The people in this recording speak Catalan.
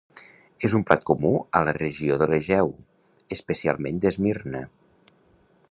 És un plat comú a la regió de l'Egeu, especialment d'Esmirna.